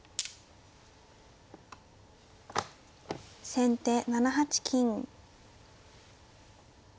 先手７八金。